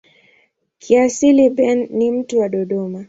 Kiasili Ben ni mtu wa Dodoma.